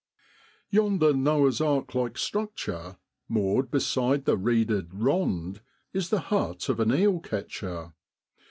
Yonder Noah's ark like structure, moored beside the reeded * rond,' is the hut of an eel catcher.